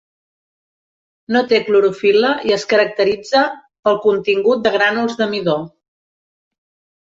No té clorofil·la i es caracteritza pel contingut de grànuls de midó.